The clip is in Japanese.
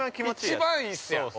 ◆一番いいっすやん。